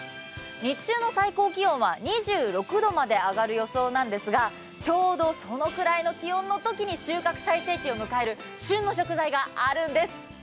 日中の最高気温は２６度まで上がりそうなんですがちょうどその気温のときに収穫最盛期を迎える旬の食材があるんです。